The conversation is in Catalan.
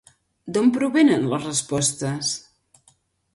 D'on provenen les respostes?